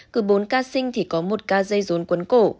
cựu bốn ca sinh thì có một ca dây rốn cuốn cổ